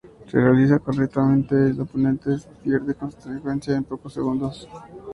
Si se realiza correctamente, el oponente pierde la consciencia en pocos segundos.